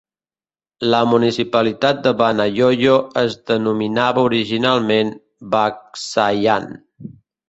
La municipalitat de Banayoyo es denominava originalment "Bacsayan".